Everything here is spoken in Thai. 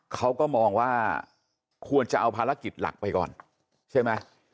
เขาก็มองว่าควรจะเอาภารกิจหลักไปก่อนใช่ไหม